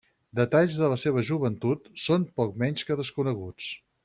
Detalls de la seva joventut són poc menys que desconeguts.